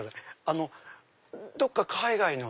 あのどこか海外の。